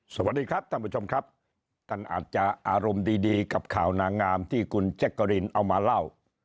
สวัสดีครับท่านผู้ชมครับท่านอาจจะอารมณ์ดีดีกับข่าวนางงามที่คุณแจ๊กกะรีนเอามาเล่า